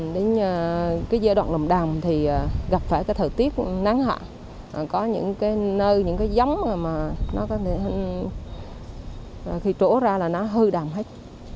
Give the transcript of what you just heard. đến cái giai đoạn nồng đàm thì gặp phải cái thời tiết nắng hạn có những cái nơi những cái giấm mà nó có thể khi trổ ra là nó hư đàm hết